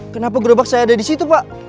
kenapa gerobak saya ada di situ pak